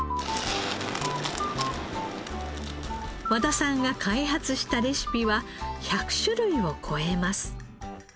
和田さんが開発したレシピは１００種類を超えます。